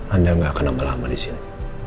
anda gak akan lama disini